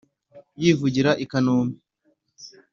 Yivugira i Kambere